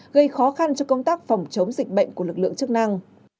gây khó khăn cho công tác phòng chống dịch bệnh của lực lượng chức năng